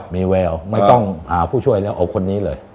มีแววไม่ต้องหาผู้ช่วยแล้วเอาคนนี้เลย